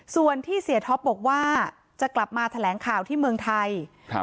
ส่วนที่เสียท็อปบอกว่าจะกลับมาแถลงข่าวที่เมืองไทยครับ